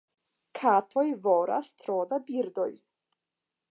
Katoj voras tro da birdoj.